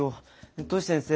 トシ先生